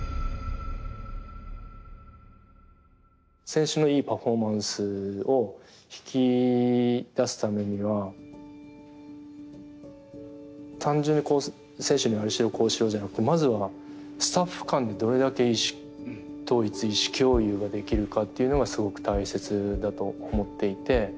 選手のいいパフォーマンスを引き出すためには単純に選手にああしろこうしろじゃなくてまずはスタッフ間でどれだけ意思統一意志共有ができるかっていうのがすごく大切だと思っていて。